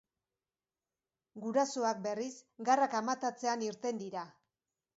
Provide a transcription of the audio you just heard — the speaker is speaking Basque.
Gurasoak, berriz, garrak amatatzean irten dira.